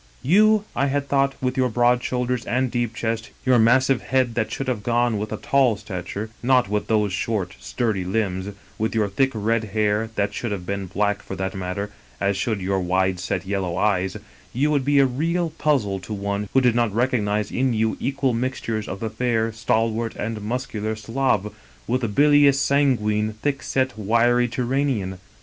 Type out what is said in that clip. " You, I had thought, with your broad shoulders and deep chest ; your massive head that should have gone with a tall stature, not with those short sturdy limbs ; with your thick red hair, that should have been black for that matter, as should your wide set yellow eyes — ^you would be a real puzzle to one who did not recognize in you equal mixtures df the fair, stalwart and muscular Slav with the bilious sanguine, thick set, wiry Turanian.